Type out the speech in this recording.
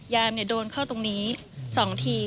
โดนเข้าตรงนี้๒ที